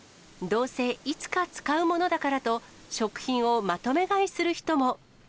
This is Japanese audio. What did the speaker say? どうせ、いつか使うものだからと、食品をまとめ買いする人も。